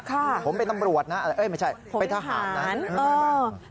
ค่ะผมเป็นนำรวจนะเอ้ยไม่ใช่ไปทหารนะนะครับ